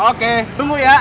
oke tunggu ya